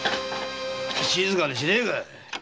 静かにしねえか。